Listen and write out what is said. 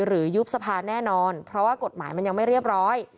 ยุบสภาแน่นอนเพราะว่ากฎหมายมันยังไม่เรียบร้อย